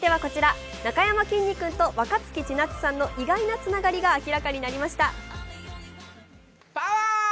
なかやまきんに君と若槻千夏さんの意外なつながりが明らかになりました。